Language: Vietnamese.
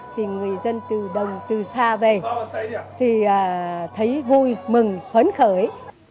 thì người dân từ đồng từ xa về thì thấy vui mừng phấn khởi